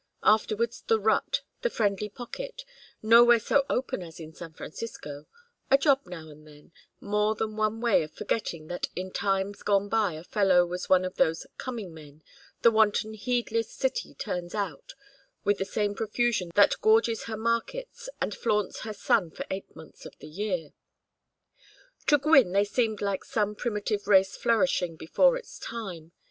Afterwards the rut, the friendly pocket nowhere so open as in San Francisco a job now and then, more than one way of forgetting that in times gone by a fellow was one of those "coming men" the wanton heedless city turns out with the same profusion that gorges her markets and flaunts her sun for eight months of the year. To Gwynne they seemed like some primitive race flourishing before its time.